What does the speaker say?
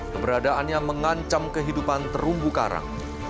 keberadaannya mengancam kehidupan terumbu karang